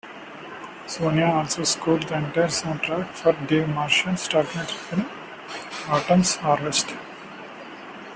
Sonia also scored the entire soundtrack for Dave Marshall's documentary film "Autumn's Harvest".